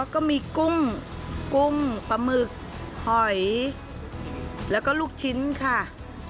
กุ้งกุ้งปลาหมึกหอยแล้วก็ลูกชิ้นค่ะ